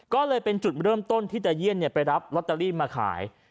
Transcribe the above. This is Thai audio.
ก็เลยเป็นจุดเริ่มต้นที่ตาเยี่ยนไปรับลอตเตอรี่มาขาย